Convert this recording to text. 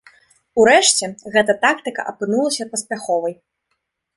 Урэшце, гэта тактыка апынулася паспяховай.